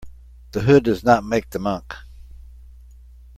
The hood does not make the monk.